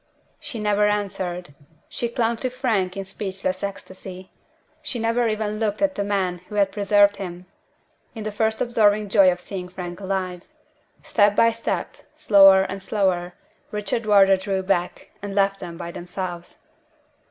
She never answered; she clung to Frank in speechless ecstasy. She never even looked at the man who had preserved him, in the first absorbing joy of seeing Frank alive. Step by step, slower and slower, Richard Wardour drew back, and left them by themselves.